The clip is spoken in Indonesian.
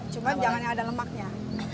cuma jangan yang ada lemaknya